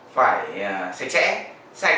phải sạch sẽ